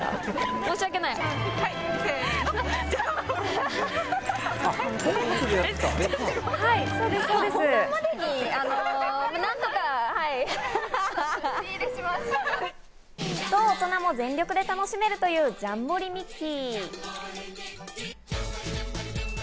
申し訳ない。と、大人も全力で楽しめるというジャンボリミッキー！。